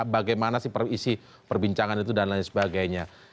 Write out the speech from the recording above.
bagaimana sih isi perbincangan itu dan lain sebagainya